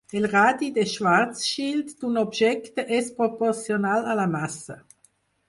El radi de Schwarzschild d'un objecte és proporcional a la massa.